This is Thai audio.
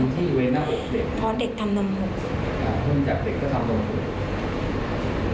ติงที่เวนหน้าอุดเด็กพอเด็กทำลงหุดอ่าหุ้นจากเด็กก็ทำลงหุด